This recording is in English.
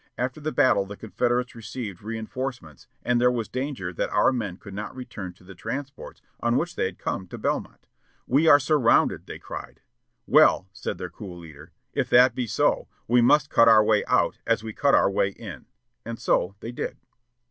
After the battle the Confederates received reënforcements, and there was danger that our men could not return to the transports on which they had come to Belmont. "We are surrounded," they cried. "Well," said their cool leader, "if that be so, we must cut our way out as we cut our way in;" and so they did.